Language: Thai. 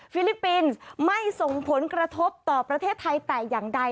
ลิปปินส์ไม่ส่งผลกระทบต่อประเทศไทยแต่อย่างใด